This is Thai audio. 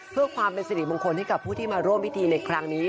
เพื่อความเป็นสิริมงคลให้กับผู้ที่มาร่วมพิธีในครั้งนี้